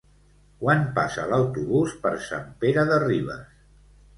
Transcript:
Quan passa l'autobús per Sant Pere de Ribes?